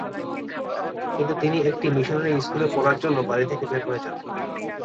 কিন্তু তিনি একটি মিশনারী স্কুলে পড়ার জন্য বাড়ি থেকে বের হয়ে যান।